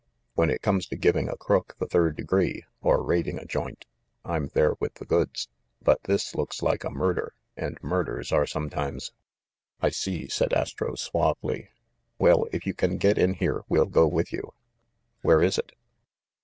"When it comes to giving a crook the third degree, or raiding a joint, I'm there with the goods ; but this looks like a murder, and murders are sometimes —" 384 THE MIDDLEBURY MURDER 385 "I see/' said Astro suavely. "Well, if you can get in here, we'll go with you. Where is it